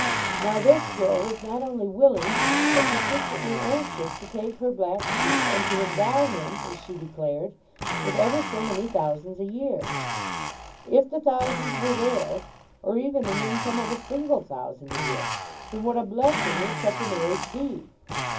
Now this girl was not only willing but persistently anxious to take her black sheep and to endow him, as she declared, with ever so many thousands a year. If the thousands were there, or even an income of a single thousand a year, then what a blessing would such a marriage be!